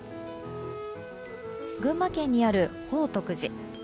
群馬県にある宝徳寺。